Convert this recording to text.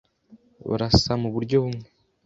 Barasa muburyo bumwe.